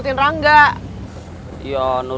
sinilah jauh lagi